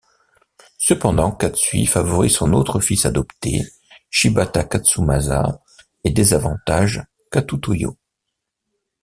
Cependant, Katsuie favorise son autre fils adopté, Shibata Katsumasa, et désavantage Katutoyo.